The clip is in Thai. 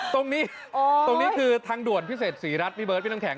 ตรงนี้ตรงนี้คือทางด่วนพิเศษศรีรัฐพี่เบิร์ดพี่น้ำแข